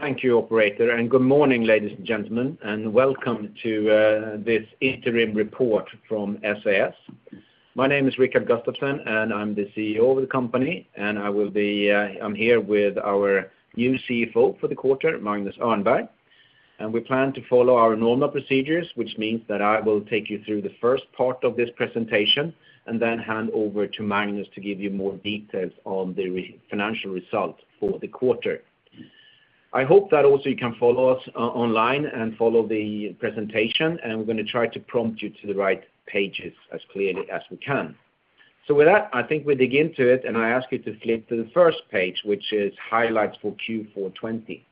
Thank you operator, good morning, ladies and gentlemen, and welcome to this interim report from SAS. My name is Rickard Gustafson and I'm the CEO of the company, and I'm here with our new CFO for the quarter, Magnus Örnberg. We plan to follow our normal procedures, which means that I will take you through the first part of this presentation and then hand over to Magnus to give you more details on the financial results for the quarter. I hope that also you can follow us online and follow the presentation, and we're going to try to prompt you to the right pages as clearly as we can. With that, I think we'll dig into it, and I ask you to flip to the first page, which is highlights for Q4 2020.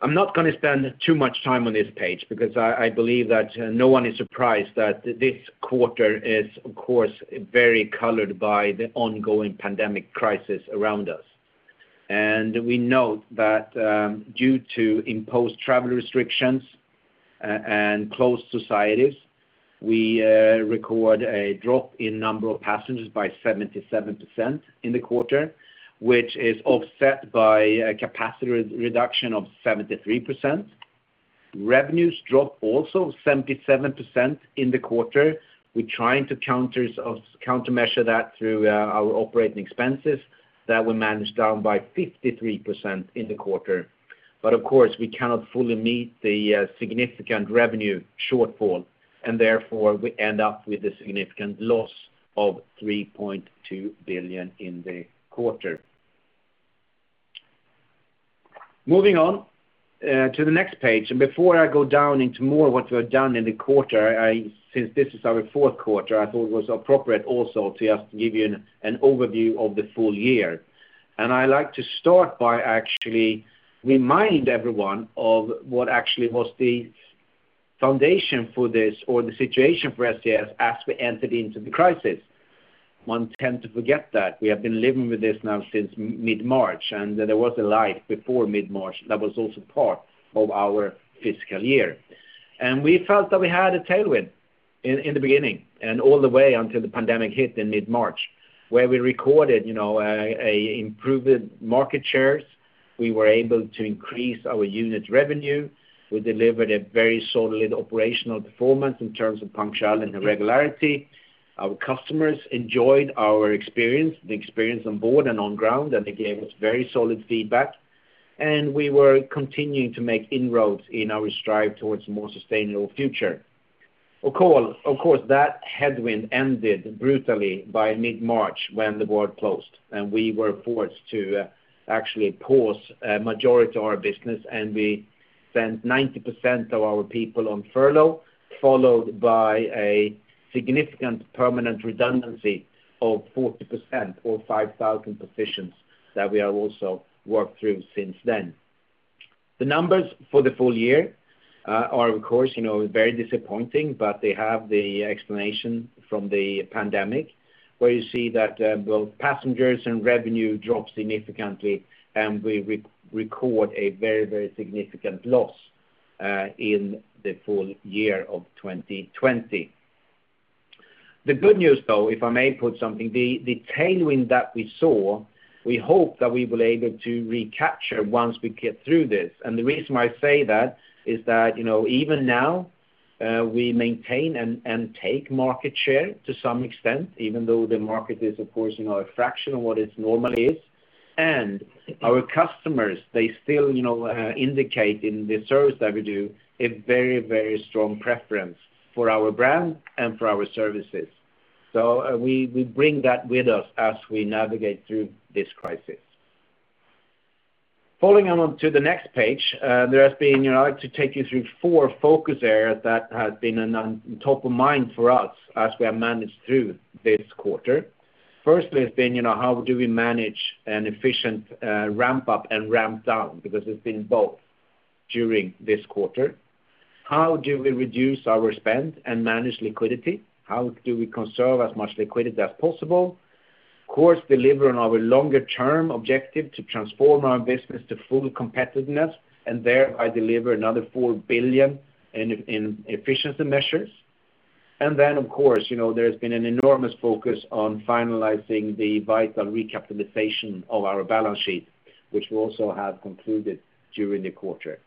I'm not going to spend too much time on this page because I believe that no one is surprised that this quarter is, of course, very colored by the ongoing pandemic crisis around us. We note that due to imposed travel restrictions and closed societies, we record a drop in number of passengers by 77% in the quarter, which is offset by a capacity reduction of 73%. Revenues dropped also 77% in the quarter. We're trying to countermeasure that through our operating expenses that we managed down by 53% in the quarter. Of course, we cannot fully meet the significant revenue shortfall, and therefore we end up with a significant loss of 3.2 billion in the quarter. Moving on to the next page, before I go down into more what we have done in the quarter, since this is our fourth quarter, I thought it was appropriate also to just give you an overview of the full year. I like to start by actually remind everyone of what actually was the foundation for this or the situation for SAS as we entered into the crisis. One tends to forget that we have been living with this now since mid-March, and there was a life before mid-March that was also part of our fiscal year. We felt that we had a tailwind in the beginning and all the way until the pandemic hit in mid-March, where we recorded improved market shares. We were able to increase our unit revenue. We delivered a very solid operational performance in terms of punctuality and regularity. Our customers enjoyed our experience, the experience on board and on ground, and they gave us very solid feedback. We were continuing to make inroads in our strive towards a more sustainable future. Of course, that headwind ended brutally by mid-March when the world closed and we were forced to actually pause majority our business and we sent 90% of our people on furlough, followed by a significant permanent redundancy of 40% or 5,000 positions that we have also worked through since then. The numbers for the full year are, of course, very disappointing, but they have the explanation from the pandemic, where you see that both passengers and revenue dropped significantly, and we record a very significant loss in the full year of 2020. The good news, though, if I may put something, the tailwind that we saw, we hope that we will be able to recapture once we get through this. The reason why I say that is that even now we maintain and take market share to some extent, even though the market is, of course, a fraction of what it normally is. Our customers, they still indicate in the service that we do a very strong preference for our brand and for our services. We bring that with us as we navigate through this crisis. Following on to the next page, I have to take you through four focus areas that have been on top of mind for us as we have managed through this quarter. Firstly, it's been how do we manage an efficient ramp-up and ramp-down? Because it's been both during this quarter. How do we reduce our spend and manage liquidity? How do we conserve as much liquidity as possible? Delivering our longer-term objective to transform our business to full competitiveness and thereby deliver another 4 billion in efficiency measures. There's been an enormous focus on finalizing the vital recapitalization of our balance sheet, which we also have concluded during the quarter.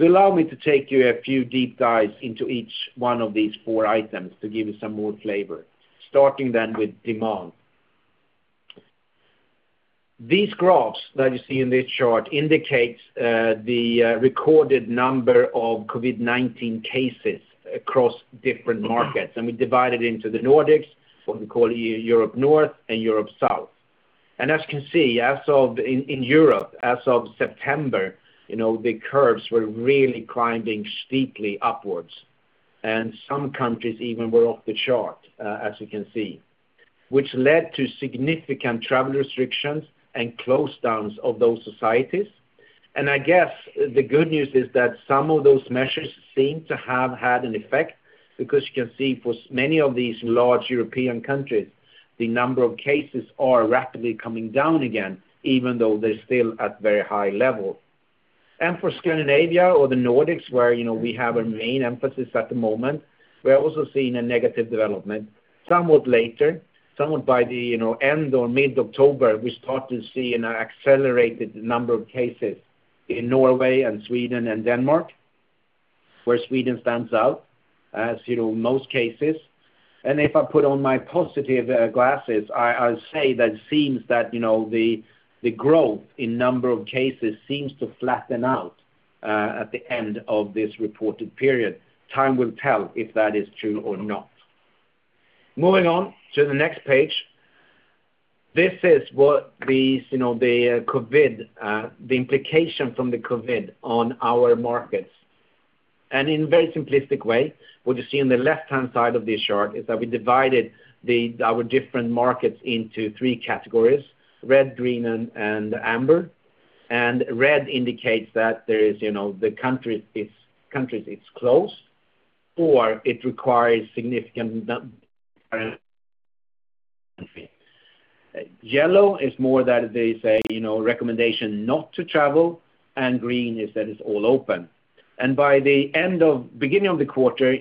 Allow me to take you a few deep dives into each one of these four items to give you some more flavor. Starting with demand. These graphs that you see in this chart indicates the recorded number of COVID-19 cases across different markets, and we divide it into the Nordics, what we call Europe North and Europe South. As you can see, in Europe, as of September, the curves were really climbing steeply upwards. Some countries even were off the chart, as you can see, which led to significant travel restrictions and closedowns of those societies. I guess the good news is that some of those measures seem to have had an effect because you can see for many of these large European countries, the number of cases are rapidly coming down again, even though they're still at very high levels. For Scandinavia or the Nordics, where we have our main emphasis at the moment, we are also seeing a negative development. Somewhat later, somewhat by the end or mid-October, we start to see an accelerated number of cases in Norway and Sweden and Denmark, where Sweden stands out as most cases. If I put on my positive glasses, I'll say that it seems that the growth in the number of cases seems to flatten out at the end of this reported period. Time will tell if that is true or not. Moving on to the next page. This is the implication of COVID on our markets. In a very simplistic way, what you see on the left-hand side of this chart is that we divided our different markets into three categories, red, green, and amber. Red indicates that the country is closed, or it requires significant. Yellow is more that they say recommendation not to travel, green is that it's all open. By the beginning of the quarter,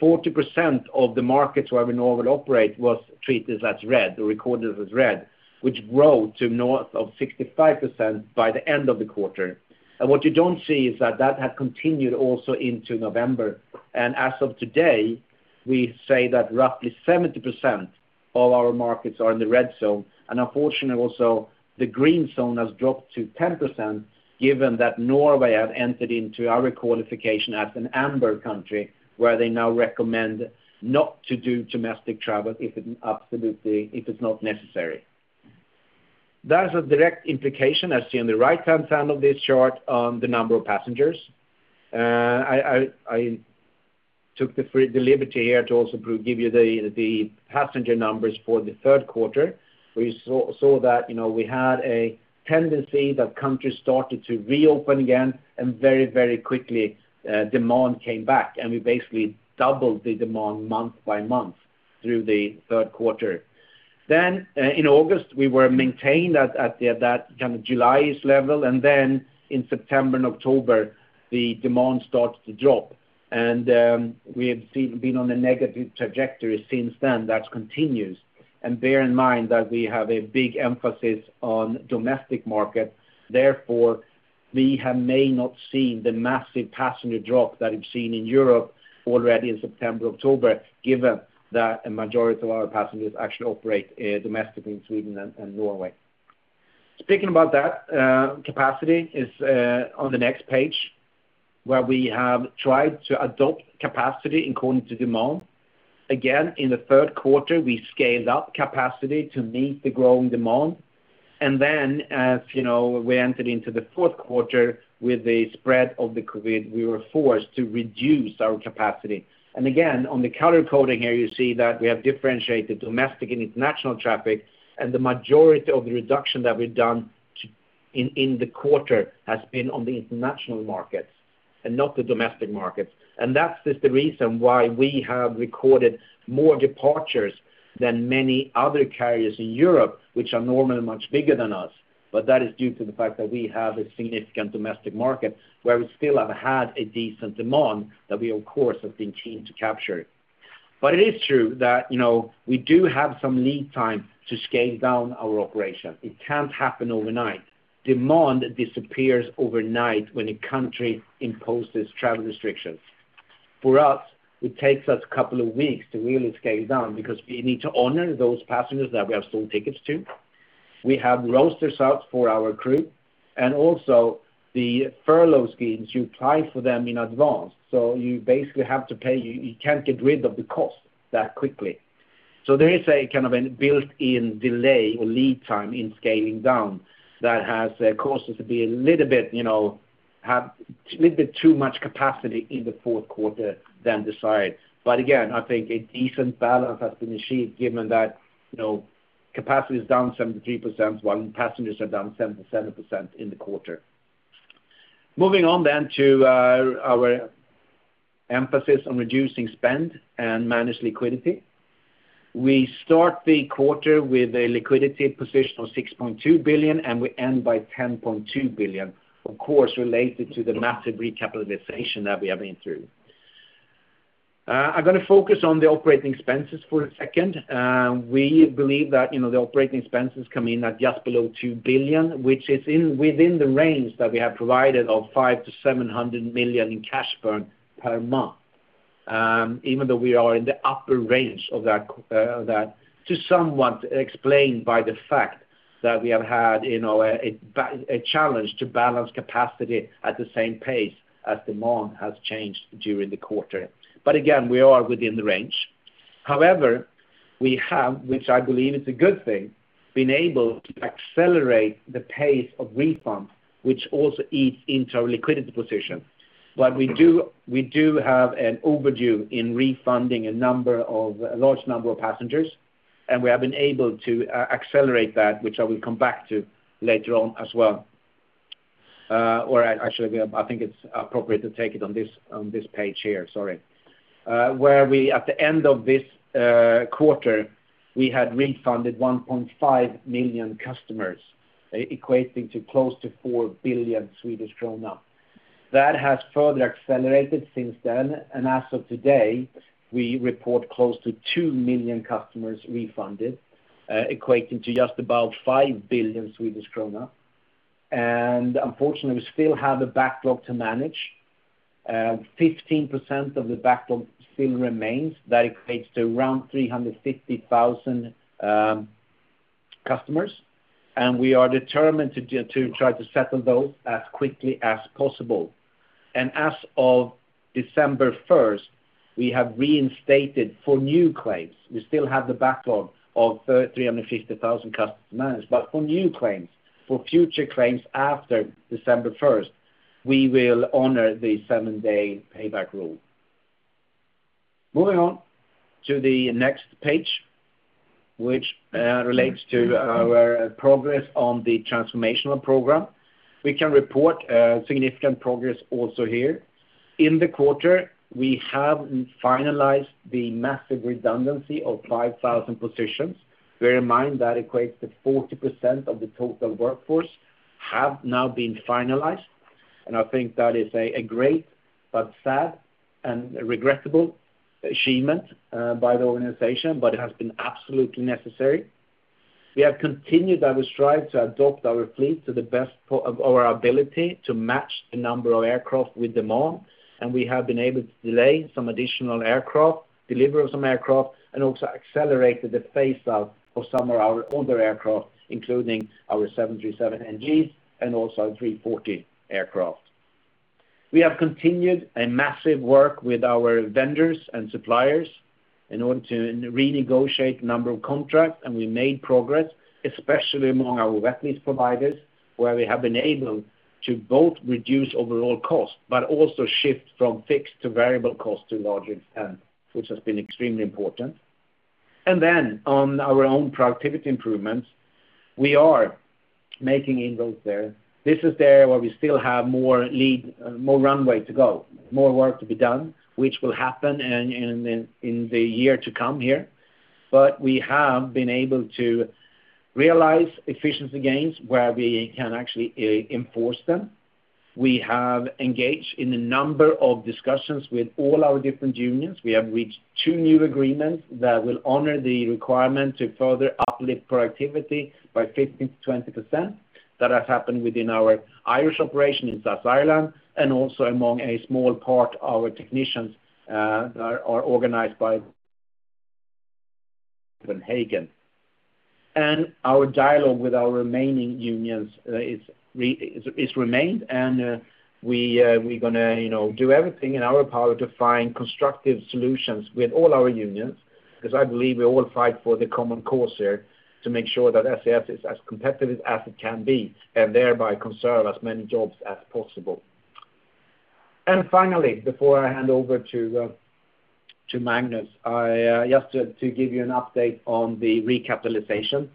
40% of the markets where we normally operate was treated as red, or recorded as red, which grew to north of 65% by the end of the quarter. What you don't see is that that has continued also into November. As of today, we say that roughly 70% of our markets are in the red zone. Unfortunately also, the green zone has dropped to 10%, given that Norway has entered into our qualification as an amber country, where they now recommend not to do domestic travel if it's not necessary. That has a direct implication, as seen on the right-hand side of this chart on the number of passengers. I took the liberty here to also give you the passenger numbers for the third quarter, where you saw that we had a tendency that countries started to reopen again and very quickly demand came back, and we basically doubled the demand month by month through the third quarter. In August, we were maintained at that July-ish level, in September and October, the demand started to drop. We have been on a negative trajectory since then that continues. Bear in mind that we have a big emphasis on domestic market. Therefore, we may not have seen the massive passenger drop that we've seen in Europe already in September, October, given that a majority of our passengers actually operate domestically in Sweden and Norway. Speaking about that, capacity is on the next page, where we have tried to adopt capacity according to demand. In the third quarter, we scaled up capacity to meet the growing demand. As we entered into the fourth quarter with the spread of COVID, we were forced to reduce our capacity. On the color coding here, you see that we have differentiated domestic and international traffic, and the majority of the reduction that we've done in the quarter has been on the international markets and not the domestic markets. That's just the reason why we have recorded more departures than many other carriers in Europe, which are normally much bigger than us. That is due to the fact that we have a significant domestic market where we still have had a decent demand that we, of course, have been keen to capture. It is true that we do have some lead time to scale down our operation. It can't happen overnight. Demand disappears overnight when a country imposes travel restrictions. For us, it takes us a couple of weeks to really scale down because we need to honor those passengers that we have sold tickets to. We have rosters out for our crew, and also the furlough schemes, you apply for them in advance. You basically have to pay. You can't get rid of the cost that quickly. There is a built-in delay or lead time in scaling down that has caused us to have a little bit too much capacity in the fourth quarter than desired. Again, I think a decent balance has been achieved given that capacity is down 73% while passengers are down 77% in the quarter. Moving on to our emphasis on reducing spend and manage liquidity. We start the quarter with a liquidity position of 6.2 billion, and we end by 10.2 billion, of course, related to the massive recapitalization that we have been through. I'm going to focus on the operating expenses for a second. We believe that the operating expenses come in at just below 2 billion, which is within the range that we have provided of 500 million to 700 million in cash burn per month, even though we are in the upper range of that. To somewhat explain by the fact that we have had a challenge to balance capacity at the same pace as demand has changed during the quarter. Again, we are within the range. However, we have, which I believe is a good thing, been able to accelerate the pace of refunds, which also eats into our liquidity position. We do have an overdue in refunding a large number of passengers, and we have been able to accelerate that, which I will come back to later on as well. Actually, I think it's appropriate to take it on this page here, sorry. At the end of this quarter, we had refunded 1.5 million customers, equating to close to 4 billion. That has further accelerated since then, and as of today, we report close to 2 million customers refunded, equating to just about 5 billion Swedish krona. Unfortunately, we still have a backlog to manage. 15% of the backlog still remains. That equates to around 350,000 customers, and we are determined to try to settle those as quickly as possible. As of December 1st, we have reinstated for new claims. We still have the backlog of 350,000 customers to manage. For new claims, for future claims after December 1st, we will honor the seven-day payback rule. Moving on to the next page, which relates to our progress on the transformational program. We can report significant progress also here. In the quarter, we have finalized the massive redundancy of 5,000 positions. Bear in mind, that equates to 40% of the total workforce have now been finalized, and I think that is a great but sad and regrettable achievement by the organization, but it has been absolutely necessary. We have continued our strive to adopt our fleet to the best of our ability to match the number of aircraft with demand, and we have been able to delay some additional aircraft, deliver some aircraft and also accelerated the phase out of some of our older aircraft, including our 737NGs and also A340 aircraft. We have continued a massive work with our vendors and suppliers in order to renegotiate a number of contracts. We made progress, especially among our wet lease providers, where we have been able to both reduce overall cost, but also shift from fixed to variable cost to a large extent, which has been extremely important. On our own productivity improvements, we are making inroads there. This is where we still have more runway to go, more work to be done, which will happen in the year to come here. We have been able to realize efficiency gains where we can actually enforce them. We have engaged in a number of discussions with all our different unions. We have reached two new agreements that will honor the requirement to further uplift productivity by 15% to 20%. That has happened within our Irish operation in SAS Ireland and also among a small part, our technicians are organized by Copenhagen. Our dialogue with our remaining unions is remained, and we're going to do everything in our power to find constructive solutions with all our unions, because I believe we all fight for the common cause here to make sure that SAS is as competitive as it can be and thereby conserve as many jobs as possible. Finally, before I hand over to Magnus, just to give you an update on the recapitalization.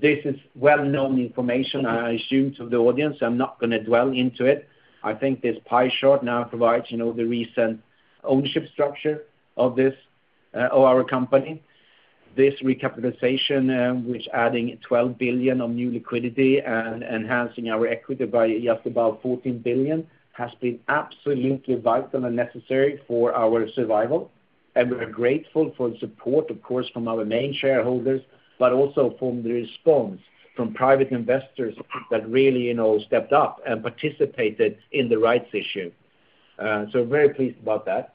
This is well-known information, I assume, to the audience. I'm not going to dwell into it. I think this pie chart now provides the recent ownership structure of our company. This recapitalization, which adding 12 billion of new liquidity and enhancing our equity by just about 14 billion, has been absolutely vital and necessary for our survival. We're grateful for the support, of course, from our main shareholders, but also from the response from private investors that really stepped up and participated in the rights issue. Very pleased about that.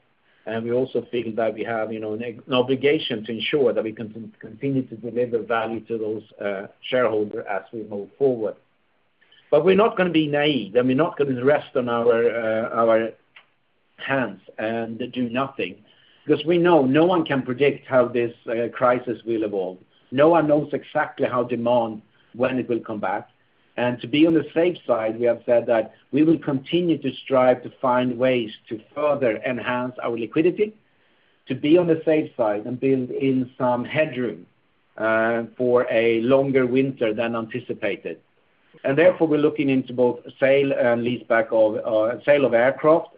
We also feel that we have an obligation to ensure that we can continue to deliver value to those shareholders as we move forward. We're not going to be naive, and we're not going to rest on our hands and do nothing because we know no one can predict how this crisis will evolve. No one knows exactly how demand, when it will come back. To be on the safe side, we have said that we will continue to strive to find ways to further enhance our liquidity, to be on the safe side and build in some headroom for a longer winter than anticipated. Therefore, we're looking into both sale of aircraft,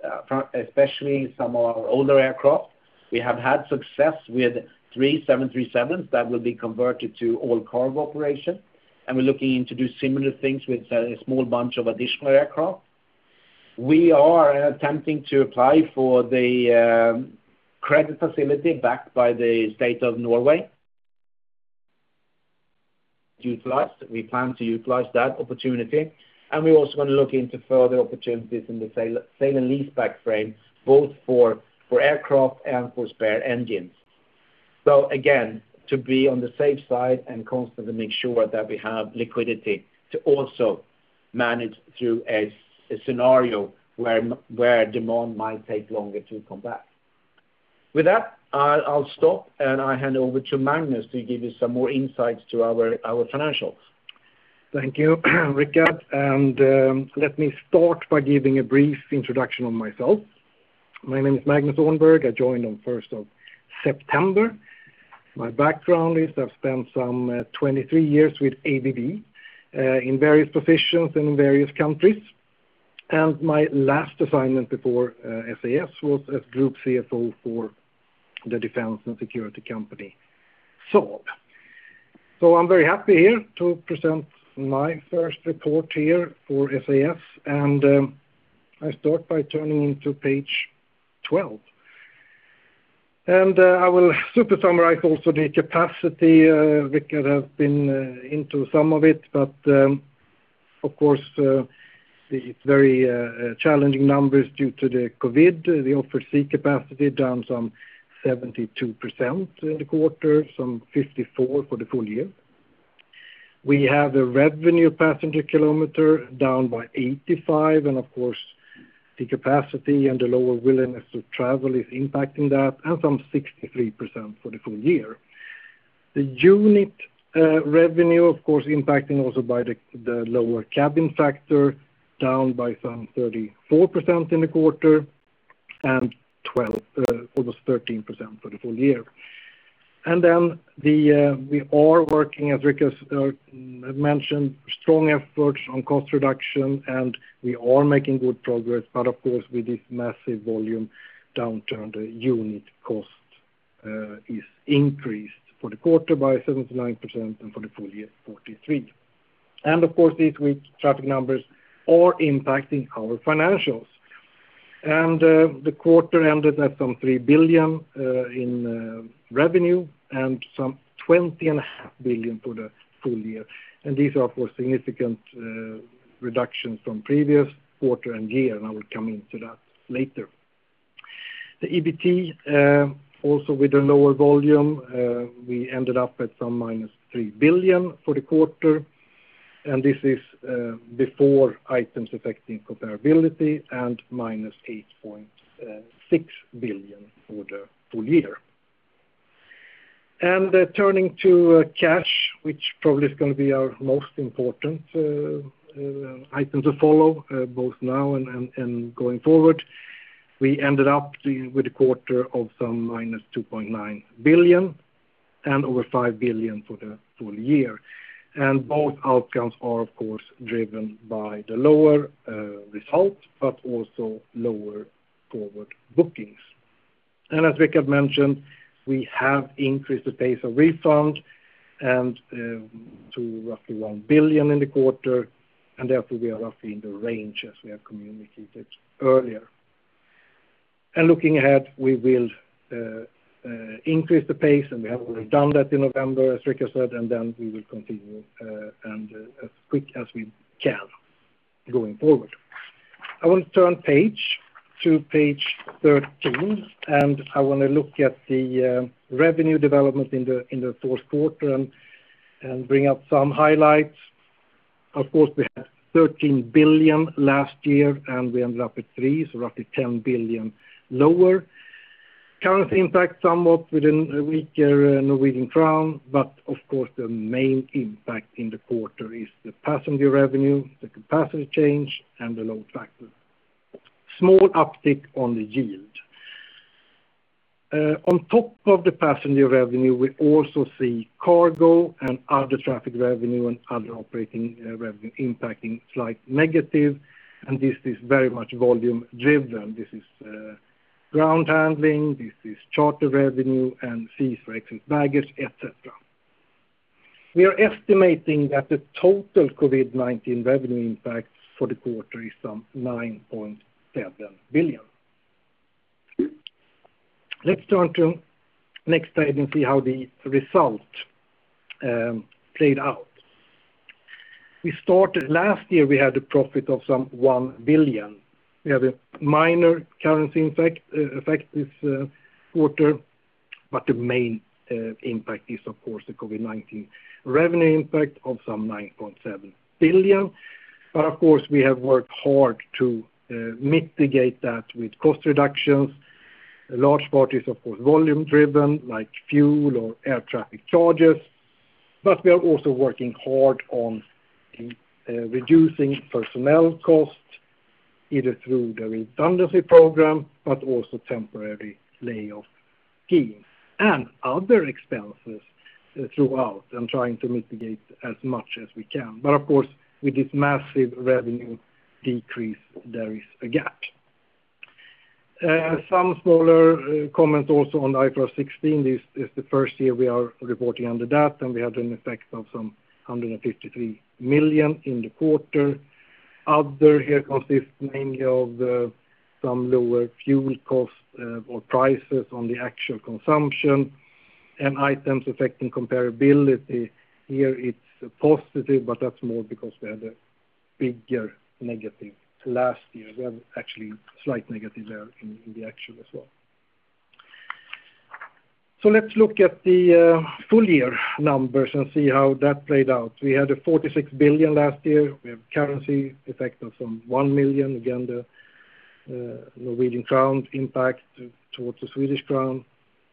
especially some of our older aircraft. We have had success with three 737s that will be converted to all-cargo operation, and we're looking into do similar things with a small bunch of additional aircraft. We are attempting to apply for the credit facility backed by the state of Norway. We plan to utilize that opportunity, and we also want to look into further opportunities in the sale and leaseback frame, both for aircraft and for spare engines. Again, to be on the safe side and constantly make sure that we have liquidity to also manage through a scenario where demand might take longer to come back. With that, I'll stop, and I hand over to Magnus to give you some more insights to our financials. Thank you, Rickard. Let me start by giving a brief introduction of myself. My name is Magnus Örnberg. I joined on 1st of September. My background is I've spent some 23 years with ABB in various positions in various countries. My last assignment before SAS was as Group CFO for the defense and security company, Saab. I'm very happy here to present my first report here for SAS, and I start by turning to page 12. I will super summarize also the capacity. Rickard has been into some of it, but of course, it's very challenging numbers due to the COVID. The offered seat capacity down some 73% in the quarter, some 54% for the full year. We have the Revenue Passenger Kilometer down by 85%, and of course, the capacity and the lower willingness to travel is impacting that, and some 63% for the full year. The unit revenue, of course, impacting also by the lower cabin factor, down by some 34% in the quarter and 12%, almost 13% for the full year. We are working, as Rickard mentioned, strong efforts on cost reduction, and we are making good progress. Of course, with this massive volume downturn, the unit cost is increased for the quarter by 79% and for the full year, 43%. Of course, these weak traffic numbers are impacting our financials. The quarter ended at some 3 billion in revenue and some 20.5 billion for the full year. These are, of course, significant reductions from previous quarter and year, and I will come into that later. The EBT, also with the lower volume, we ended up at -3 billion for the quarter, and this is before items affecting comparability and -8.6 billion for the full year. Turning to cash, which probably is going to be our most important item to follow, both now and going forward. We ended up with a quarter of -2.9 billion and over 5 billion for the full year. Both outcomes are, of course, driven by the lower result, but also lower forward bookings. As Rickard mentioned, we have increased the pace of refund to roughly 1 billion in the quarter, and therefore we are roughly in the range as we have communicated earlier. Looking ahead, we will increase the pace, and we have already done that in November, as Rickard said, and then we will continue and as quick as we can going forward. I want to turn page to page 13, and I want to look at the revenue development in the fourth quarter and bring up some highlights. Of course, we had 13 billion last year and we ended up at 3 billion, so roughly 10 billion lower. Currency impact somewhat with a weaker Norwegian krone, of course, the main impact in the quarter is the passenger revenue, the capacity change, and the load factor. Small uptick on the yield. On top of the passenger revenue, we also see cargo and other traffic revenue and other operating revenue impacting slight negative. This is very much volume-driven. This is ground handling, this is charter revenue and fees for excess baggage, et cetera. We are estimating that the total COVID-19 revenue impact for the quarter is some 9.7 billion. Let's turn to next page and see how the result played out. We started last year, we had a profit of some 1 billion. We have a minor currency effect this quarter, the main impact is, of course, the COVID-19 revenue impact of some 9.7 billion. Of course, we have worked hard to mitigate that with cost reductions. A large part is, of course, volume-driven, like fuel or air traffic charges. We are also working hard on reducing personnel costs, either through the redundancy program, but also temporary layoff schemes and other expenses throughout and trying to mitigate as much as we can. Of course, with this massive revenue decrease, there is a gap. Some smaller comments also on IFRS 16. This is the first year we are reporting under that. We had an effect of some 153 million in the quarter. Other here consisting of some lower fuel costs or prices on the actual consumption and items affecting comparability. Here it's positive, that's more because we had a bigger negative last year. We have actually slight negative there in the actual as well. Let's look at the full year numbers and see how that played out. We had 46 billion last year. We have currency effect of some 1 million, again, the Norwegian krone impact towards the Swedish krona.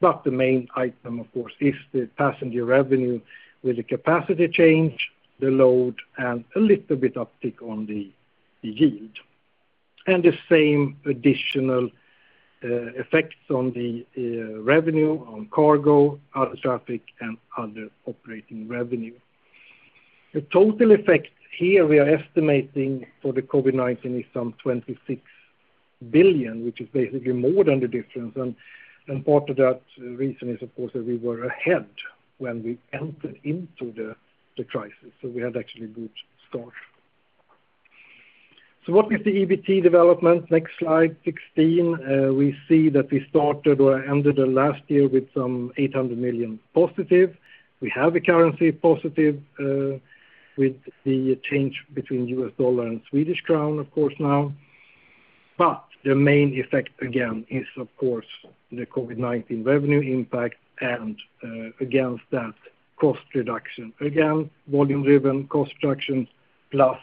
The main item, of course, is the passenger revenue with the capacity change, the load, and a little bit uptick on the yield. The same additional effects on the revenue on cargo, other traffic, and other operating revenue. The total effect here we are estimating for the COVID-19 is some 26 billion, which is basically more than the difference. Part of that reason is, of course, that we were ahead when we entered into the crisis, so we had actually a good start. What is the EBT development? Next slide 16. We see that we started or ended the last year with some 800 million positive. We have a currency positive with the change between US dollar and SEK, of course now. The main effect, again, is of course the COVID-19 revenue impact and against that cost reduction. Again, volume-driven cost reduction plus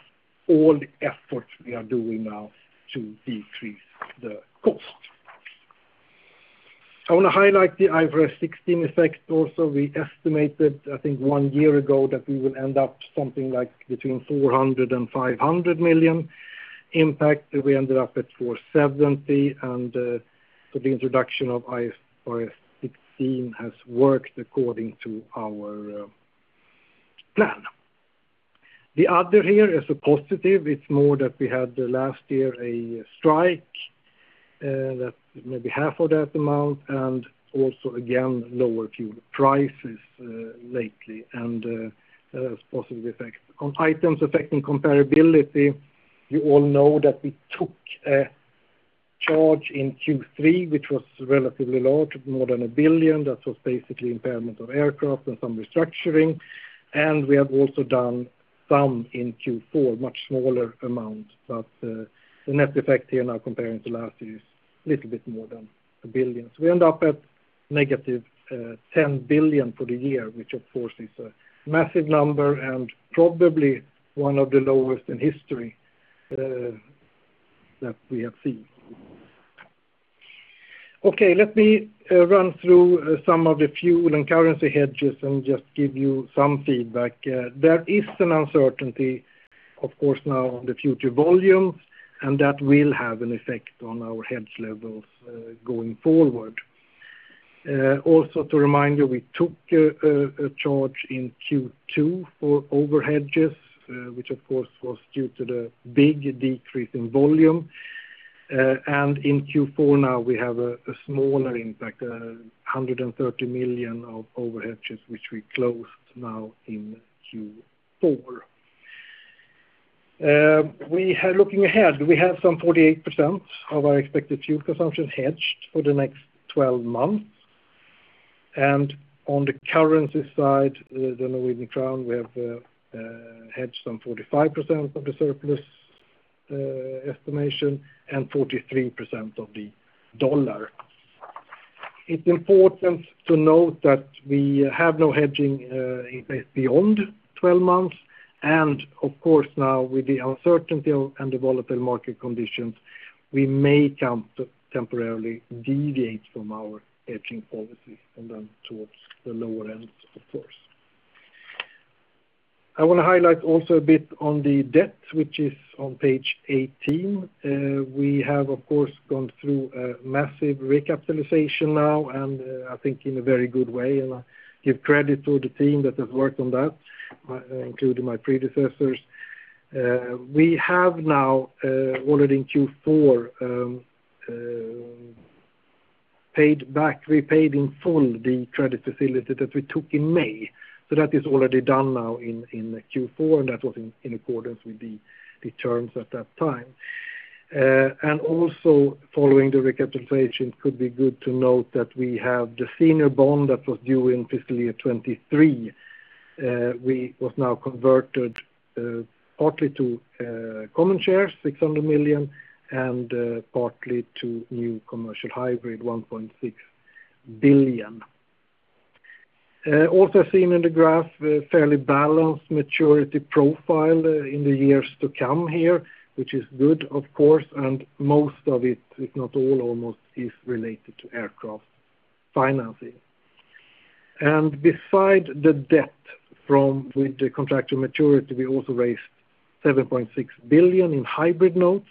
all the efforts we are doing now to decrease the cost. I want to highlight the IFRS 16 effect also. We estimated, I think one year ago that we will end up something like between 400 million and 500 million impact. We ended up at 470 million. The introduction of IFRS 16 has worked according to our plan. The other here is a positive. It's more that we had last year a strike that maybe half of that amount, also again, lower fuel prices lately and as positive effects. On items affecting comparability, you all know that we took a charge in Q3, which was relatively large, more than 1 billion. That was basically impairment of aircraft and some restructuring. We have also done some in Q4, much smaller amounts, but the net effect here now comparing to last year is little bit more than 1 billion. We end up at negative 10 billion for the year, which of course is a massive number and probably one of the lowest in history that we have seen. Okay. Let me run through some of the fuel and currency hedges and just give you some feedback. There is an uncertainty, of course now on the future volumes, and that will have an effect on our hedge levels going forward. Also to remind you, we took a charge in Q2 for over-hedges, which of course was due to the big decrease in volume. In Q4 now we have a smaller impact, 130 million of over-hedges, which we closed now in Q4. Looking ahead, we have some 48% of our expected fuel consumption hedged for the next 12 months. On the currency side, the Norwegian krone, we have hedged some 45% of the surplus estimation and 43% of the USD. It's important to note that we have no hedging in place beyond 12 months. Of course now with the uncertainty and the volatile market conditions, we may temporarily deviate from our hedging policy and then towards the lower end, of course. I want to highlight also a bit on the debt, which is on page 18. We have, of course, gone through a massive recapitalization now and I think in a very good way, and I give credit to the team that has worked on that, including my predecessors. We have now already in Q4 paid back, repaid in full the credit facility that we took in May. That is already done now in Q4, and that was in accordance with the terms at that time. Also following the recapitalization could be good to note that we have the senior bond that was due in fiscal year 2023. It was now converted partly to common shares, 600 million, and partly to new commercial hybrid, 1.6 billion. Also seen in the graph, fairly balanced maturity profile in the years to come here, which is good of course, and most of it, if not all almost, is related to aircraft financing. Beside the debt with the contractual maturity, we also raised 7.6 billion in hybrid notes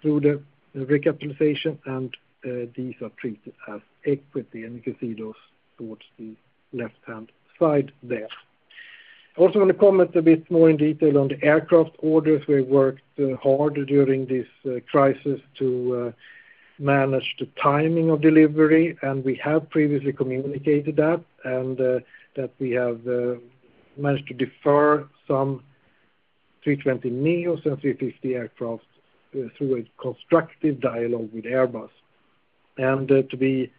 through the recapitalization, and these are treated as equity, and you can see those towards the left-hand side there. I also want to comment a bit more in detail on the aircraft orders. We worked hard during this crisis to manage the timing of delivery, and we have previously communicated that, and that we have managed to defer some A320neo and A350 aircraft through a constructive dialogue with Airbus. To be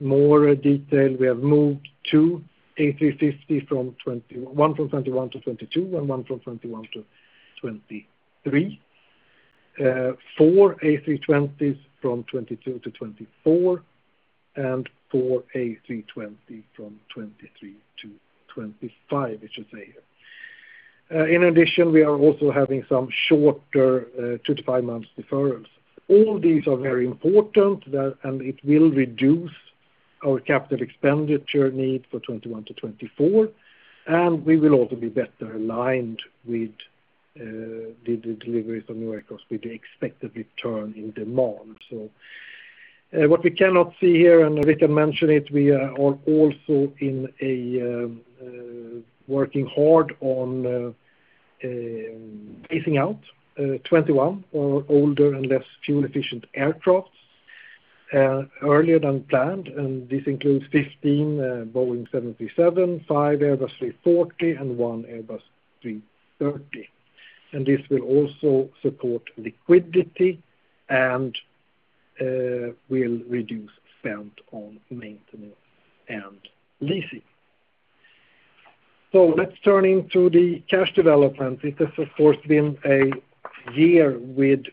more detailed, we have moved two A350, one from 2021 to 2022 and one from 2021 to 2023. Four A320s from 2022 to 2024, and four A320 from 2023 to 2025, I should say here. In addition, we are also having some shorter two to five months deferrals. All these are very important, and it will reduce our capital expenditure need for 2021 to 2024, and we will also be better aligned with the deliveries of new aircraft with the expected return in demand. What we cannot see here, and Rickard mentioned it, we are also working hard on phasing out 21 older and less fuel-efficient aircraft earlier than planned. This includes 15 Boeing 737, five Airbus A340 and one Airbus A330. This will also support liquidity and will reduce spend on maintenance and leasing. Let's turn into the cash development. This has, of course, been a year with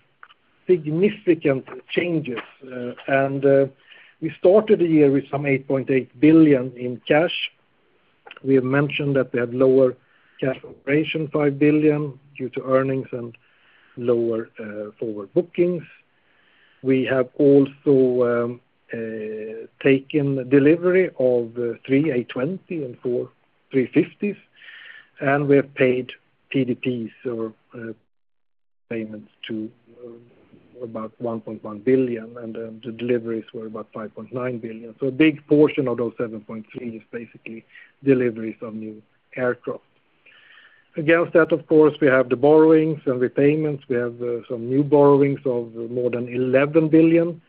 significant changes. We started the year with some 8.8 billion in cash. We have mentioned that we had lower cash operation, 5 billion, due to earnings and lower forward bookings. We have also taken delivery of three A320 and four A350s, and we have paid PDPs or payments to about 1.1 billion, the deliveries were about 5.9 billion. A big portion of those 7.3 is basically deliveries of new aircraft. Against that, of course, we have the borrowings and repayments. We have some new borrowings of more than 11 billion,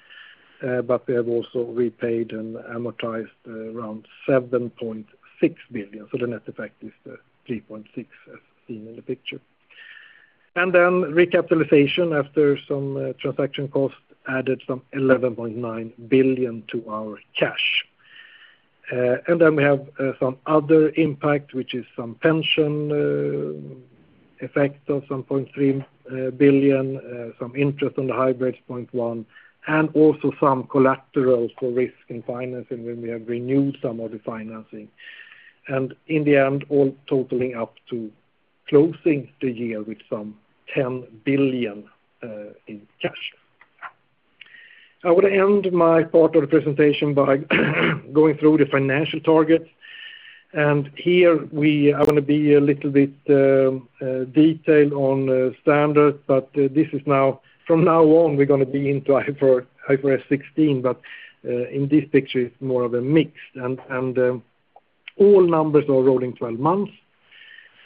we have also repaid and amortized around 7.6 billion. The net effect is 3.6 billion as seen in the picture. Recapitalization after some transaction cost added some 11.9 billion to our cash. We have some other impact, which is some pension effects of some 0.3 billion, some interest on the hybrid notes, 0.1 billion, and also some collateral for risk and financing when we have renewed some of the financing. In the end, all totaling up to closing the year with some 10 billion in cash. I want to end my part of the presentation by going through the financial targets. Here I want to be a little bit detailed on standards. From now on, we're going to be into IFRS 16, in this picture it's more of a mix. All numbers are rolling 12 months,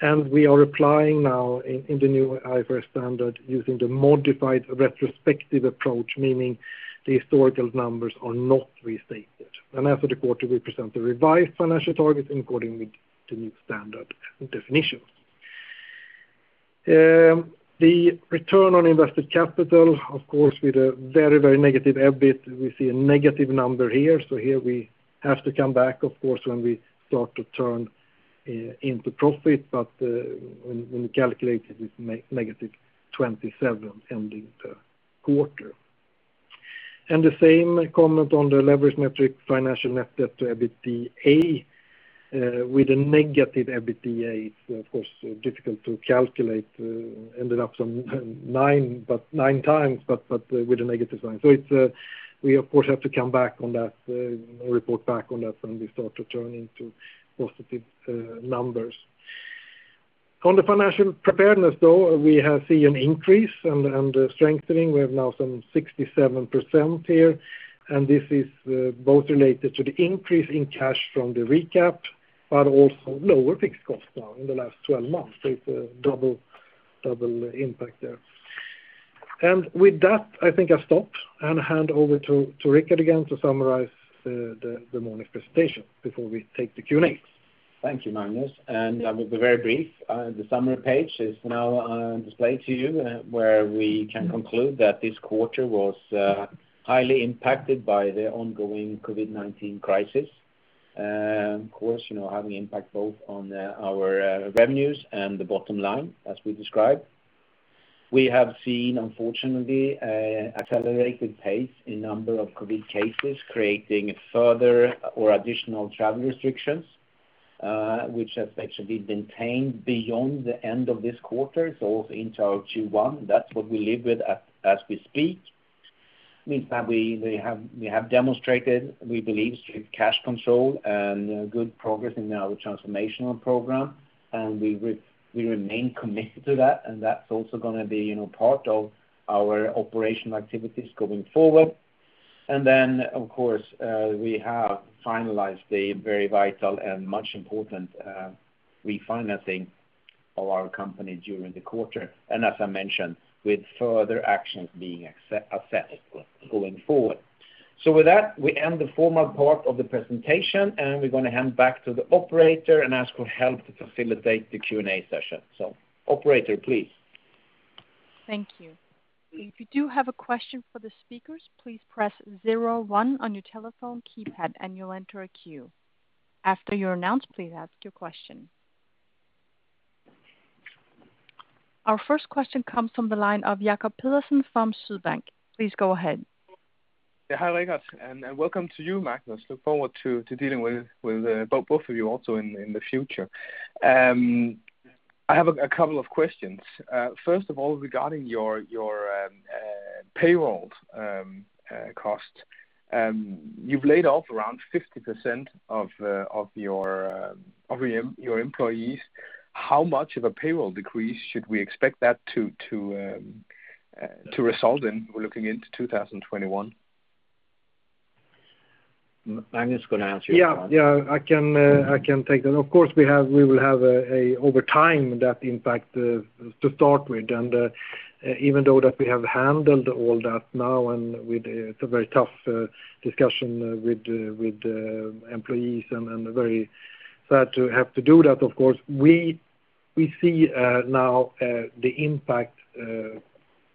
and we are applying now in the new IFRS standard using the modified retrospective approach, meaning the historical numbers are not restated. As of the quarter, we present the revised financial targets in accordance with the new standard and definitions. The return on invested capital, of course, with a very negative EBIT, we see a negative number here. Here we have to come back, of course, when we start to turn into profit, but when we calculate it's -27% ending the quarter. The same comment on the leverage metric financial net debt to EBITDA. With a negative EBITDA, it's of course difficult to calculate. Ended up some nine times, but with a negative sign. We, of course, have to come back on that and report back on that when we start to turn into positive numbers. On the financial preparedness, though, we have seen an increase and a strengthening. We have now some 67% here, and this is both related to the increase in cash from the recap, but also lower fixed costs now in the last 12 months. It's a double impact there. With that, I think I stop and hand over to Rickard again to summarize the morning presentation before we take the Q&A. Thank you, Magnus. I will be very brief. The summary page is now displayed to you where we can conclude that this quarter was highly impacted by the ongoing COVID-19 crisis, having impact both on our revenues and the bottom line, as we described. We have seen, unfortunately, accelerated pace in number of COVID cases creating further or additional travel restrictions, which have actually been tamed beyond the end of this quarter, so into our Q1. That's what we live with as we speak. We have demonstrated, we believe, strict cash control and good progress in our transformational program, and we remain committed to that, and that's also going to be part of our operational activities going forward. Then, of course, we have finalized the very vital and much important refinancing of our company during the quarter. As I mentioned, with further actions being assessed going forward. With that, we end the formal part of the presentation, and we're going to hand back to the operator and ask for help to facilitate the Q&A session. Operator, please. Thank you. If you do have a question for the speakers, please press zero one on your telephone keypad and you'll enter a queue. After you're announced, please ask your question. Our first question comes from the line of Jacob Pedersen from Sydbank. Please go ahead. Hi, Rickard, and welcome to you, Magnus. Look forward to dealing with both of you also in the future. I have a couple of questions. First of all, regarding your payroll cost. You've laid off around 50% of your employees. How much of a payroll decrease should we expect that to result in looking into 2021? Magnus is going to answer you on that. Yeah, I can take that. Of course, we will have over time that impact to start with. Even though that we have handled all that now and with a very tough discussion with the employees and very sad to have to do that, of course, we see now the impact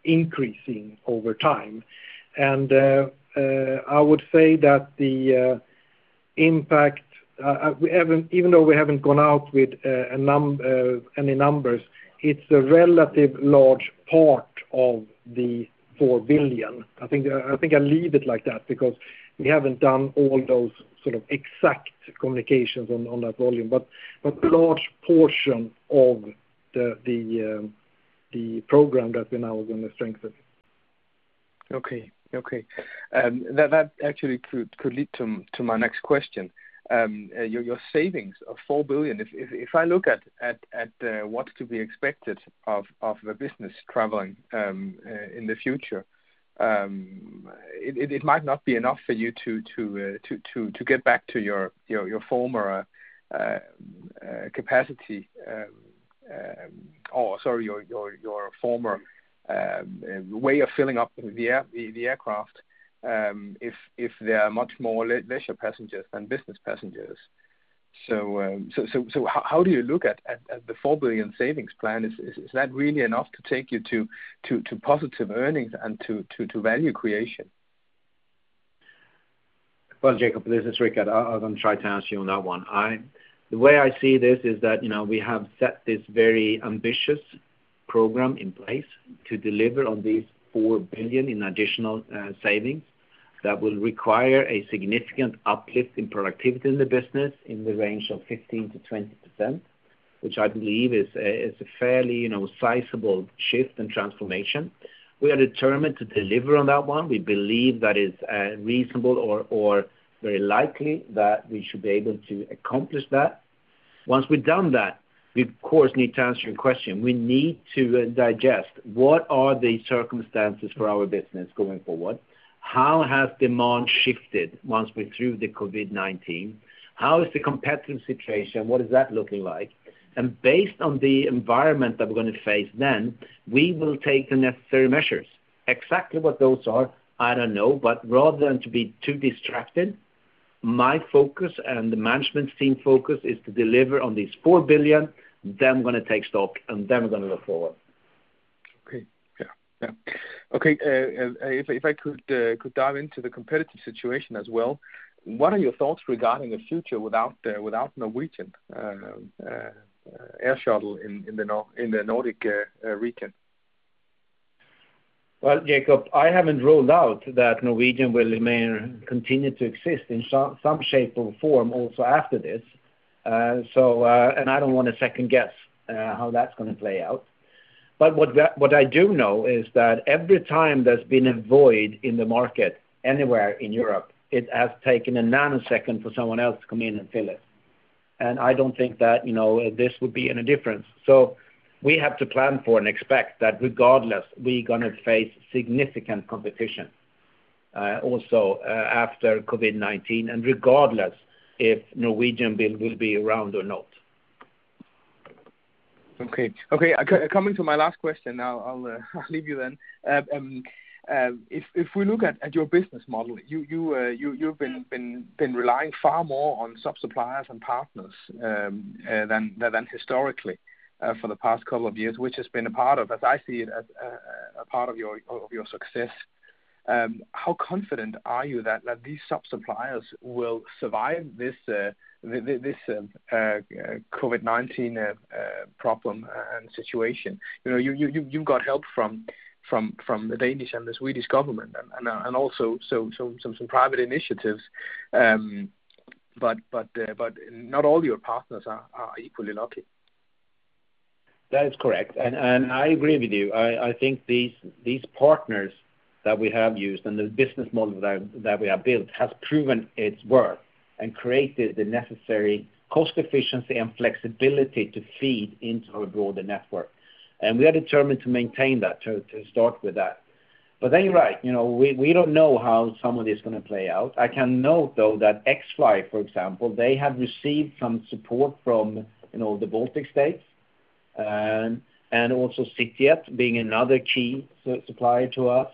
increasing over time. I would say that the impact, even though we haven't gone out with any numbers, it's a relatively large part of the 4 billion. I think I leave it like that because we haven't done all those sort of exact communications on that volume. It's a large portion of the program that we now are going to strengthen. Okay. That actually could lead to my next question. Your savings of 4 billion, if I look at what could be expected of the business traveling in the future, it might not be enough for you to get back to your former capacity, or, sorry, your former way of filling up the aircraft, if there are much more leisure passengers than business passengers. So, how do you look at the 4 billion savings plan? Is that really enough to take you to positive earnings and to value creation? Well, Jacob, this is Rickard. I'm going to try to answer you on that one. The way I see this is that we have set this very ambitious program in place to deliver on these 4 billion in additional savings that will require a significant uplift in productivity in the business in the range of 15% to 20%, which I believe is a fairly sizable shift and transformation. We are determined to deliver on that one. We believe that it's reasonable or very likely that we should be able to accomplish that. Once we've done that, we of course need to answer your question. We need to digest what are the circumstances for our business going forward? How has demand shifted once we're through the COVID-19? How is the competitive situation? What is that looking like? Based on the environment that we're going to face then, we will take the necessary measures. Exactly what those are, I don't know. Rather than to be too distracted, my focus and the management team focus is to deliver on these 4 billion. We're going to take stock. We're going to look forward. Okay. Yeah. If I could dive into the competitive situation as well, what are your thoughts regarding a future without Norwegian Air Shuttle in the Nordic region? Well, Jacob, I haven't ruled out that Norwegian will remain, continue to exist in some shape or form also after this. I don't want to second-guess how that's going to play out. What I do know is that every time there's been a void in the market anywhere in Europe, it has taken a nanosecond for someone else to come in and fill it. I don't think that this would be any different. We have to plan for and expect that regardless, we're going to face significant competition, also after COVID-19, and regardless if Norwegian will be around or not. Coming to my last question, I'll leave you then. If we look at your business model, you've been relying far more on sub-suppliers and partners than historically for the past couple of years, which has been a part of, as I see it, a part of your success. How confident are you that these sub-suppliers will survive this COVID-19 problem and situation? You've got help from the Danish and the Swedish government and also some private initiatives, but not all your partners are equally lucky. That is correct, and I agree with you. I think these partners that we have used and the business model that we have built has proven its worth and created the necessary cost efficiency and flexibility to feed into our broader network. We are determined to maintain that, to start with that. Then you're right, we don't know how some of this is going to play out. I can note, though, that Xfly, for example, they have received some support from the Baltic States, and also CityJet being another key supplier to us.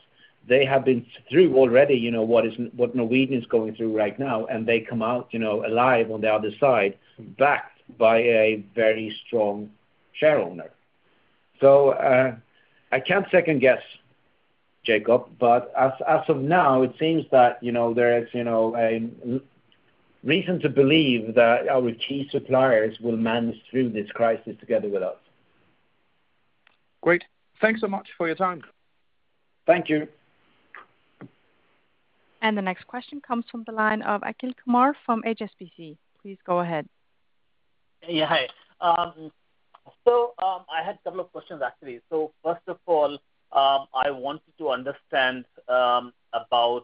They have been through already what Norwegian is going through right now, and they come out alive on the other side, backed by a very strong shareowner. I can't second guess, Jacob, but as of now, it seems that there is a reason to believe that our key suppliers will manage through this crisis together with us. Great. Thanks so much for your time. Thank you. The next question comes from the line of Achal Kumar from HSBC. Please go ahead. Yeah. Hi. I had a couple of questions, actually. First of all, I wanted to understand about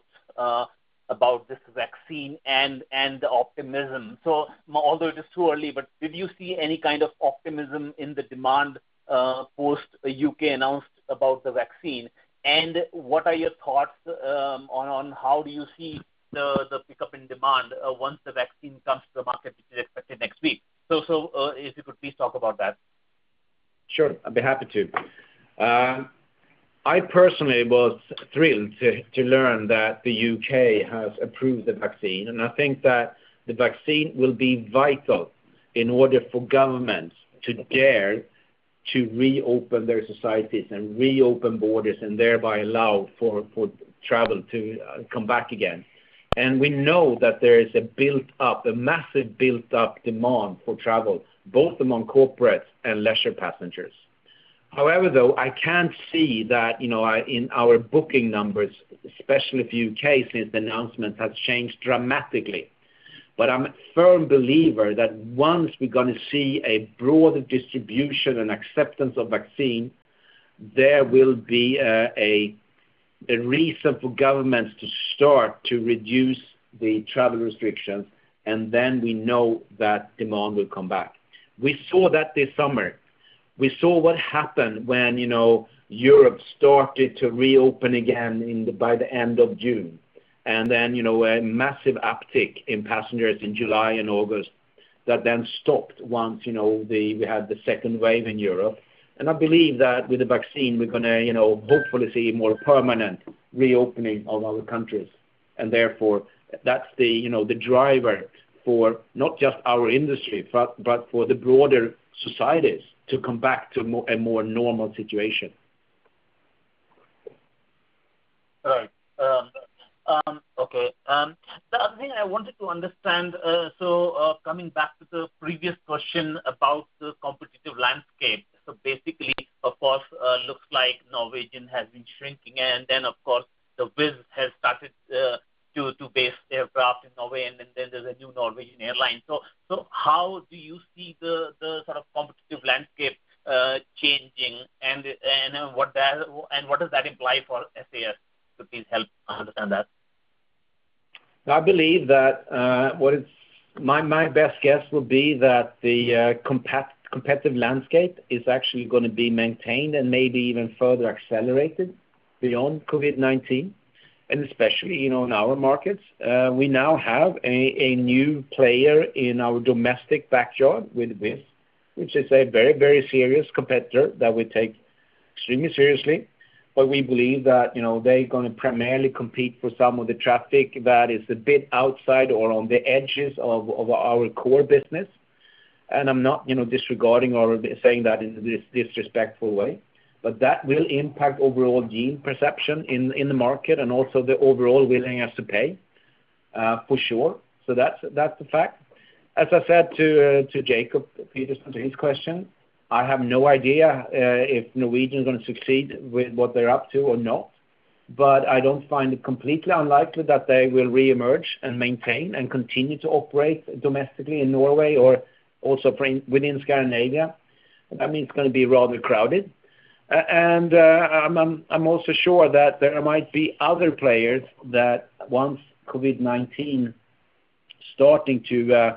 this vaccine and the optimism. Although it is too early, but did you see any kind of optimism in the demand, post U.K. announced about the vaccine? What are your thoughts on how do you see the pickup in demand once the vaccine comes to the market, which is expected next week? If you could please talk about that. Sure, I'd be happy to. I personally was thrilled to learn that the U.K. has approved the vaccine. I think that the vaccine will be vital in order for governments to dare to reopen their societies and reopen borders and thereby allow for travel to come back again. We know that there is a massive built-up demand for travel, both among corporate and leisure passengers. However, though, I can't see that in our booking numbers, especially for U.K., since the announcement, has changed dramatically. I'm a firm believer that once we're going to see a broader distribution and acceptance of vaccine, there will be a reason for governments to start to reduce the travel restrictions. Then we know that demand will come back. We saw that this summer. We saw what happened when Europe started to reopen again by the end of June. A massive uptick in passengers in July and August that then stopped once we had the second wave in Europe. I believe that with the vaccine, we're going to hopefully see more permanent reopening of other countries. Therefore, that's the driver for not just our industry, but for the broader societies to come back to a more normal situation. All right. Okay. The other thing I wanted to understand, coming back to the previous question about the competitive landscape. Basically, of course, looks like Norwegian has been shrinking, and then, of course, the Wizz has started to base their craft in Norway, and then there's a new Norwegian airline. How do you see the sort of competitive landscape changing and what does that imply for SAS? Please help understand that. I believe that my best guess would be that the competitive landscape is actually going to be maintained and maybe even further accelerated beyond COVID-19, and especially in our markets. We now have a new player in our domestic backyard with Wizz, which is a very serious competitor that we take extremely seriously. We believe that they're going to primarily compete for some of the traffic that is a bit outside or on the edges of our core business. I'm not disregarding or saying that in this disrespectful way. That will impact overall general perception in the market and also the overall willingness to pay, for sure. That's the fact. As I said to Jacob Pedersen, to his question, I have no idea if Norwegian is going to succeed with what they're up to or not. I don't find it completely unlikely that they will reemerge and maintain and continue to operate domestically in Norway or also within Scandinavia. I mean, it's going to be rather crowded. I'm also sure that there might be other players that once COVID-19 starting to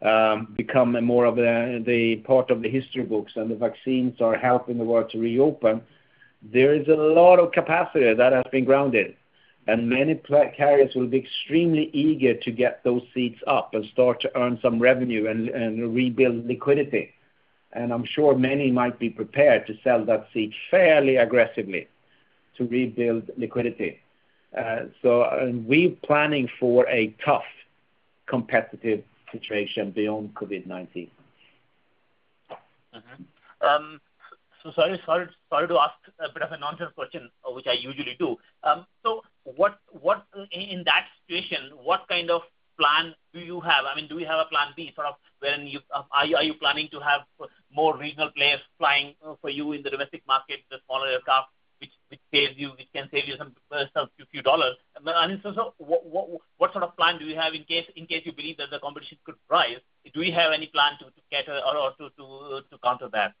become a more of the part of the history books and the vaccines are helping the world to reopen, there is a lot of capacity that has been grounded and many carriers will be extremely eager to get those seats up and start to earn some revenue and rebuild liquidity. I'm sure many might be prepared to sell that seat fairly aggressively to rebuild liquidity. We're planning for a tough competitive situation beyond COVID-19. Sorry to ask a bit of an unusual question, which I usually do. In that situation, what kind of plan do you have? I mean, do we have a plan B? Are you planning to have more regional players flying for you in the domestic market, the smaller aircraft, which can save you a few SEK? What sort of plan do you have in case you believe that the competition could rise? Do we have any plan to cater or to counter that?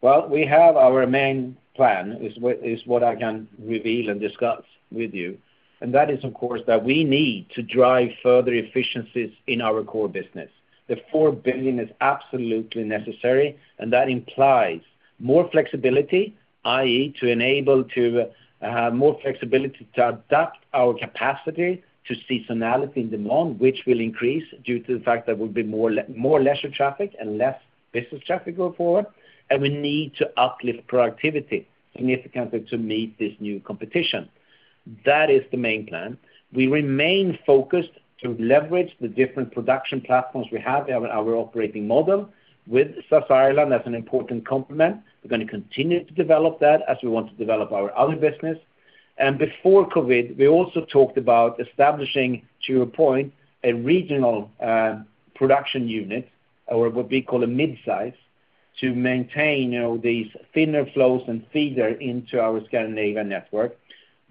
Well, we have our main plan, is what I can reveal and discuss with you, and that is, of course, that we need to drive further efficiencies in our core business. The 4 billion is absolutely necessary. That implies more flexibility, i.e., to enable to have more flexibility to adapt our capacity to seasonality in demand, which will increase due to the fact that we'll be more leisure traffic and less business traffic going forward. We need to uplift productivity significantly to meet this new competition. That is the main plan. We remain focused to leverage the different production platforms we have in our operating model with SAS Ireland as an important complement. We're going to continue to develop that as we want to develop our other business. Before COVID, we also talked about establishing, to a point, a regional production unit, or what we call a midsize, to maintain these thinner flows and feeder into our Scandinavia network.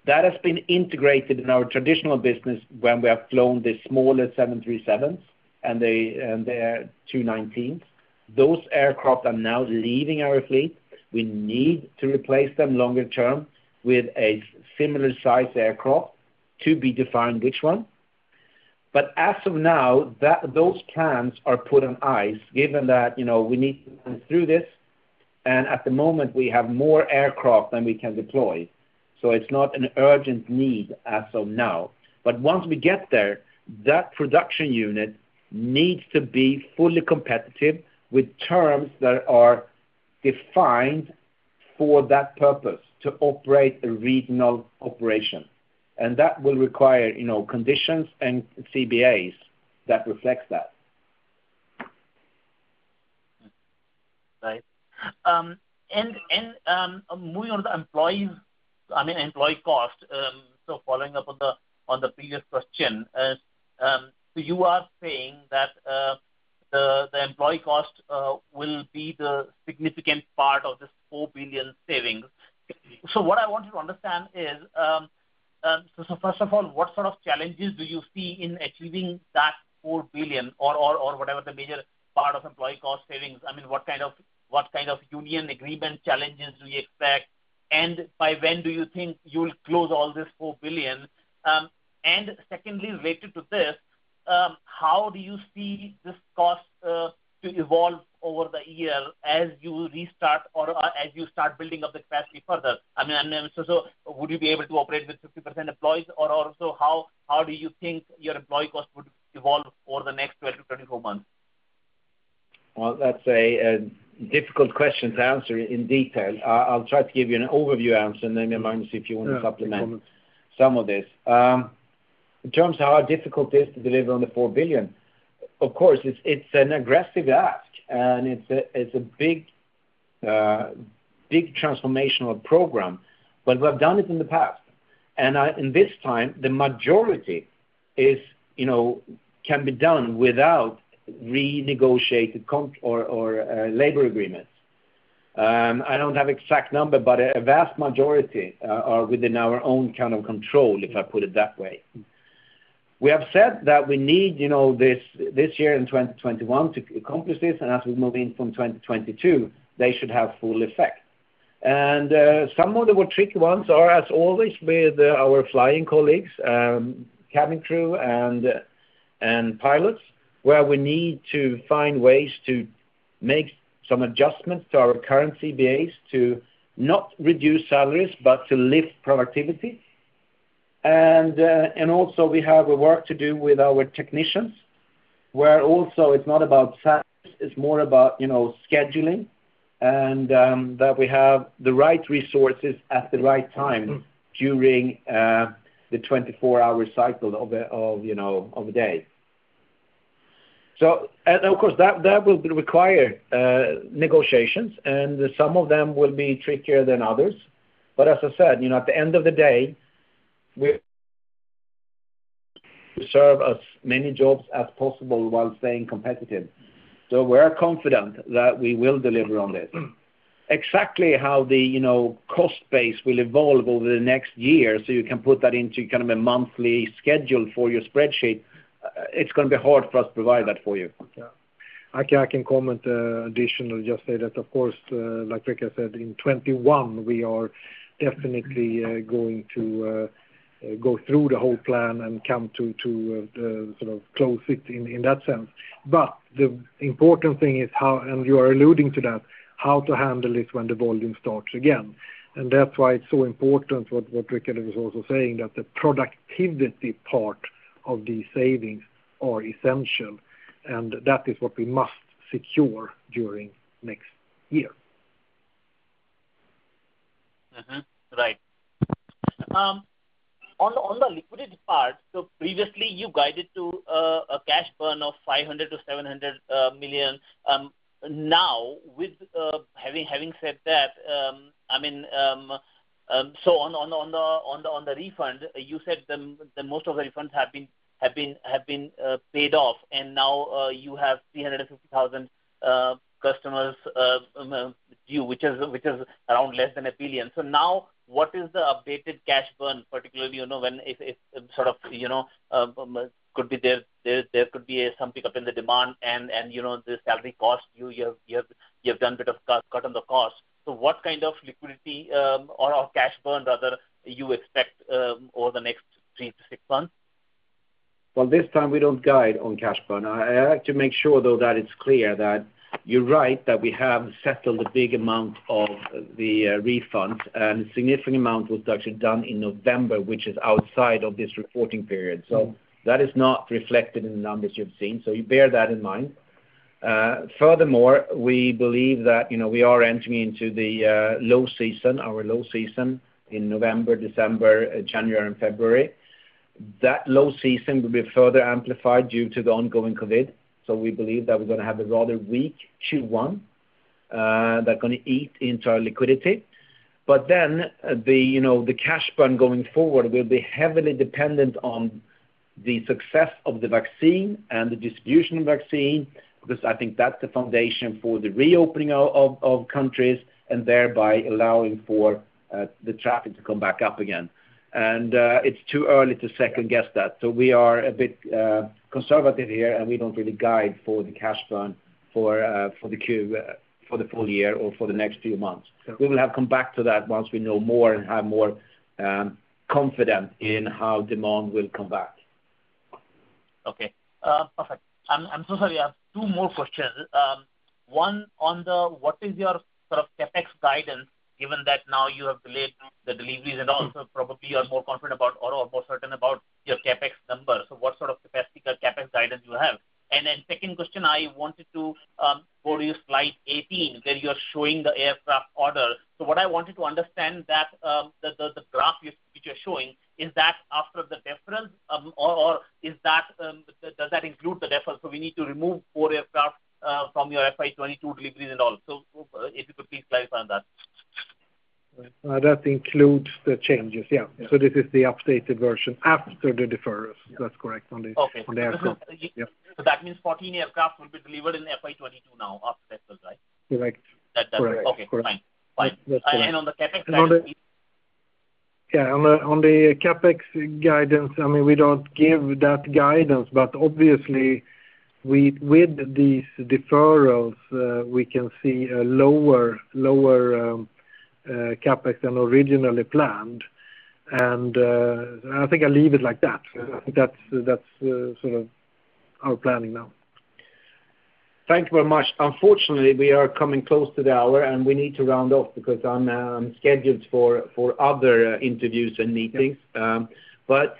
That has been integrated in our traditional business when we have flown the smaller 737s and the A319s. Those aircraft are now leaving our fleet. We need to replace them longer term with a similar size aircraft, to be defined which one. As of now, those plans are put on ice given that we need to run through this, and at the moment, we have more aircraft than we can deploy. It's not an urgent need as of now. Once we get there, that production unit needs to be fully competitive with terms that are defined for that purpose, to operate a regional operation. That will require conditions and CBAs that reflects that. Right. Moving on to employee cost, following up on the previous question. You are saying that the employee cost will be the significant part of this 4 billion savings? What I want to understand is, first of all, what sort of challenges do you see in achieving that 4 billion or whatever the major part of employee cost savings? What kind of union agreement challenges do you expect, and by when do you think you'll close all this 4 billion? Secondly, related to this, how do you see this cost to evolve over the year as you restart or as you start building up the capacity further? Would you be able to operate with 50% employees, or also how do you think your employee cost would evolve for the next 12 to 24 months? Well, that's a difficult question to answer in detail. I'll try to give you an overview answer, and then, Magnus, if you want to supplement- Yeah. You can Some of this. In terms of how difficult it is to deliver on the 4 billion, of course, it's an aggressive ask, and it's a big transformational program, but we've done it in the past. In this time, the majority can be done without renegotiating labor agreements. I don't have exact number, but a vast majority are within our own control, if I put it that way. We have said that we need this year, in 2021 to accomplish this. As we move in from 2022, they should have full effect. Some of the more tricky ones are, as always, with our flying colleagues, cabin crew, and pilots, where we need to find ways to make some adjustments to our current CBAs to not reduce salaries but to lift productivity. Also we have a work to do with our technicians, where also it's not about salaries, it's more about scheduling and that we have the right resources at the right time during the 24-hour cycle of the day. Of course, that will require negotiations, and some of them will be trickier than others. As I said, at the end of the day, we preserve as many jobs as possible while staying competitive. We're confident that we will deliver on this. Exactly how the cost base will evolve over the next year, so you can put that into a monthly schedule for your spreadsheet, it's going to be hard for us to provide that for you. I can comment additionally just say that, of course, like Rickard said, in 2021, we are definitely going to go through the whole plan and come to close it in that sense. The important thing is how, and you are alluding to that, how to handle it when the volume starts again. That's why it's so important what Rickard was also saying, that the productivity part of these savings are essential, and that is what we must secure during next year. Right. On the liquidity part, previously you guided to a cash burn of 500 million to 700 million. Now, with having said that, on the refund, you said that most of the refunds have been paid off, and now you have 350,000 customers due, which is around less than 1 billion. Now, what is the updated cash burn, particularly there could be some pickup in the demand and the salary cost you have done bit of cut on the cost. What kind of liquidity or cash burn rather you expect over the next three to six months? This time we don't guide on cash burn. I like to make sure, though, that it's clear that you're right, that we have settled a big amount of the refunds, and a significant amount was actually done in November, which is outside of this reporting period. That is not reflected in the numbers you've seen. You bear that in mind. Furthermore, we believe that we are entering into the low season, our low season in November, December, January, and February. That low season will be further amplified due to the ongoing COVID. We believe that we're going to have a rather weak Q1, that going to eat into our liquidity. The cash burn going forward will be heavily dependent on the success of the vaccine, and the distribution of vaccine, because I think that's the foundation for the reopening of countries, and thereby allowing for the traffic to come back up again. It's too early to second-guess that. We are a bit conservative here, and we don't really guide for the cash burn for the full year or for the next few months. We will have come back to that once we know more and have more confidence in how demand will come back. Okay, perfect. I am so sorry, I have two more questions. One on the, what is your sort of CapEx guidance, given that now you have delayed the deliveries at all, probably you are more confident about or more certain about your CapEx numbers. What sort of CapEx guidance you have? Second question, I wanted to go to your slide 18, where you are showing the aircraft order. What I wanted to understand that the graph which you are showing, is that after the deferral, or does that include the deferral? We need to remove four aircraft from your FY 2022 deliveries and all. If you could please clarify that. That includes the changes, yeah. Yeah. This is the updated version after the deferrals. Yeah. That's correct. On the aircraft. Okay. Yeah. That means 14 aircraft will be delivered in FY 2022 now after deferral, right? Correct. Okay, fine. That's correct. On the CapEx guidance. Yeah, on the CapEx guidance, we don't give that guidance. Obviously, with these deferrals, we can see a lower CapEx than originally planned. I think I'll leave it like that. Yeah. That's sort of our planning now. Thank you very much. Unfortunately, we are coming close to the hour, and we need to round off because I'm scheduled for other interviews and meetings. Yeah.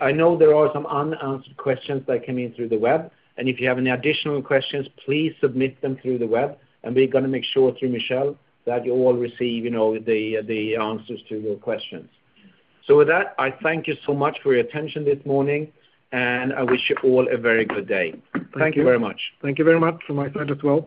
I know there are some unanswered questions that came in through the web, and if you have any additional questions, please submit them through the web, and we're going to make sure, through Michel, that you all receive the answers to your questions. With that, I thank you so much for your attention this morning, and I wish you all a very good day. Thank you. Thank you very much. Thank you very much from my side as well.